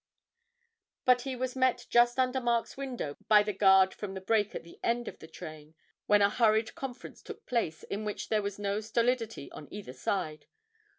But he was met just under Mark's window by the guard from the break at the end of the train, when a hurried conference took place, in which there was no stolidity on either side.